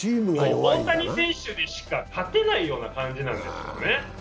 大谷選手でしか勝てないような感じなんですよね。